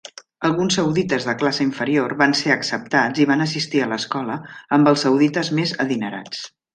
Alguns saudites de classe inferior van ser acceptats i van assistir a l"escola amb els saudites més adinerats.